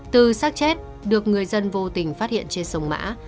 từ sát chết được người dân vô tình phát hiện trên sông mã